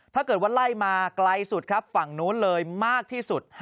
ถ้าเกิดว่าไล่มาไกลสุดครับฝั่งนู้นเลยมากที่สุด